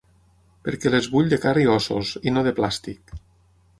Perquè les vull de carn i ossos, i no de plàstic.